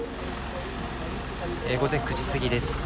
午前９時過ぎです。